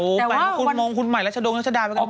โอ๊ยแต่ว่าคุณมองคุณหมายและจดรงราชดาไปกันหมด